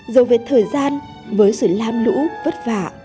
dồ về thời gian với sự lam lũ vất vả